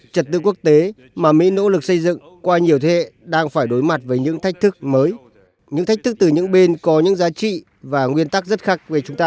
trật tự quốc tế mà mỹ nỗ lực xây dựng qua nhiều thế hệ đang phải đối mặt với những thách thức mới những thách thức từ những bên có những giá trị và nguyên tắc rất khác về chúng ta